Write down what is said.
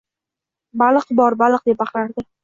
Baliq bor, baliq deb baqirardi